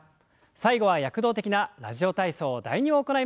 最後は躍動的な「ラジオ体操第２」を行います。